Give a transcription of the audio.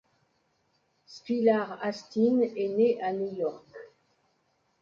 Skylar Astin est né à New York.